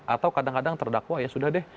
atau kadang kadang terdakwa ya sudah deh